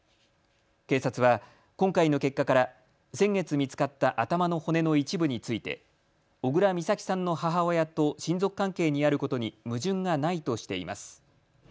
警察は今回の結果から先月見つかった頭の骨の一部について小倉美咲さんの母親と親族関係にあることに矛盾がないとしています。